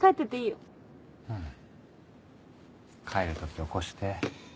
帰る時起こして。